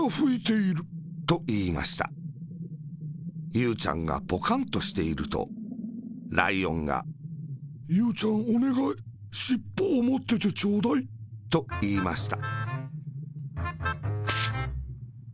ゆうちゃんがポカンとしていると、ライオンが「ゆうちゃん、おねがいしっぽをもっててちょうだい。」といいました。